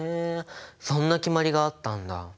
そんな決まりがあったんだ。